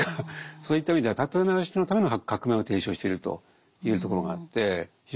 そういった意味では立て直しのための革命を提唱してるというところがあって非常に興味深い。